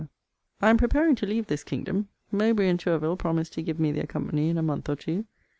I am preparing to leave this kingdom. Mowbray and Tourville promise to give me their company in a month or two.